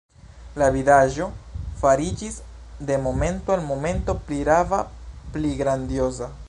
La vidaĵo fariĝis de momento al momento pli rava, pli grandioza.